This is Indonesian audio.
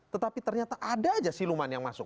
tetapi ternyata ada aja siluman yang masuk